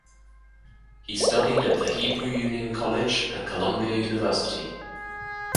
He studied at the Hebrew Union College and Columbia University.